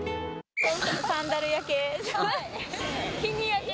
サンダル焼け。